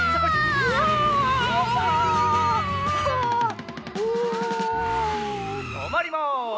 うわあ！とまります。